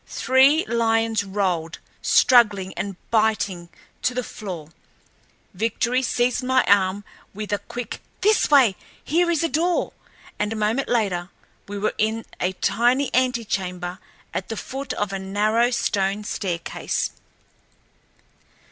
Three lions rolled, struggling and biting, to the floor. Victory seized my arm, with a quick, "This way! Here is a door," and a moment later we were in a tiny antechamber at the foot of a narrow stone staircase.